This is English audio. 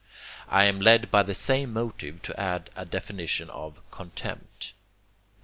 I am led by the same motive to add a definition of contempt.